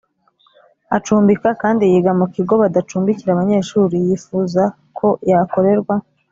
Acumbika Kandi Yiga Mu Kigo Badacumbikira Abanyeshuri Yifuza Ko Yakorerwa